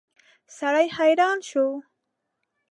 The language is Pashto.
سړی حیران شو.